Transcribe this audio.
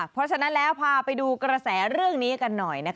เพราะฉะนั้นแล้วพาไปดูกระแสเรื่องนี้กันหน่อย